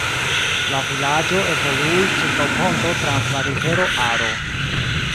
La vilaĝo evoluis ĉirkaŭ ponto trans la rivero Aro.